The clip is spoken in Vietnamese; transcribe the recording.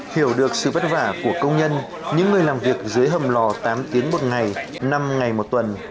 hiểu được sự vất vả của công nhân những người làm việc dưới hầm lò tám tiếng một ngày năm ngày một tuần